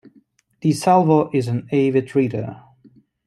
DeSalvo is an avid reader.